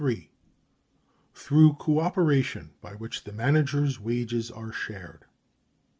—through co operation, by which the manager's wages are shared.